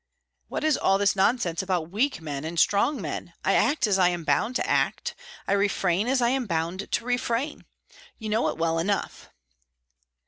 What is all this nonsense about weak men and strong men? I act as I am bound to act; I refrain as I am bound to refrain. You know it well enough."